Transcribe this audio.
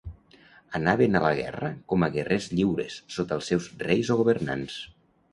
Anaven a la guerra com a guerrers lliures sota els seus reis o governants.